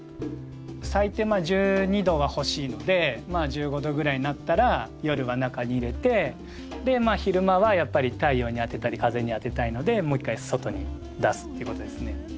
最低１２℃は欲しいのでまあ１５℃ぐらいになったら夜は中に入れてでまあ昼間はやっぱり太陽に当てたり風に当てたいのでもう一回外に出すっていうことですね。